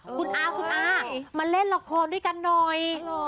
คุณอาคุณอามาเล่นละครด้วยกันหน่อย